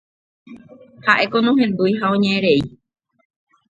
Ha'éko nohendúi ha noñe'ẽi.